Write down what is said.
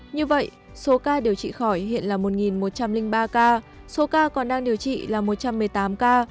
như vậy số ca điều trị khỏi hiện là một một trăm linh ba ca số ca còn đang điều trị là một trăm một mươi tám ca